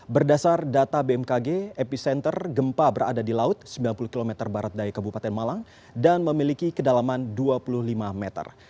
berdasar data bmkg epicenter gempa berada di laut sembilan puluh km barat dari kabupaten malang dan memiliki kedalaman dua puluh lima meter